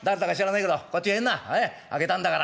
え開けたんだから。